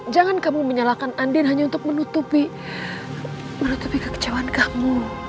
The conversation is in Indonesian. jangan kamu menyalahkan andien hanya untuk menutupi kekecewaan kamu